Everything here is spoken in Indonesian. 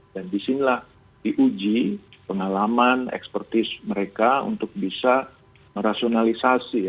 dan disinilah diuji pengalaman ekspertis mereka untuk bisa merasionalisasi